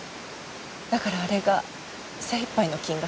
だからあれが精いっぱいの金額で。